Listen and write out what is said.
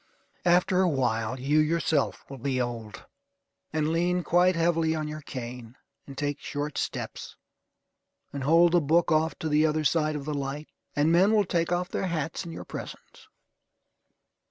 After a while you yourself will be old, and lean quite heavily on your cane, and take short steps, and hold the book off to the other side of the light. And men will take off their hats in your presence.